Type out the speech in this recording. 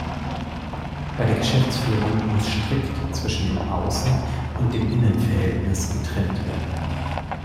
Bei der Geschäftsführung muss strikt zwischen dem Aussen- und dem Innenverhältnis getrennt werden.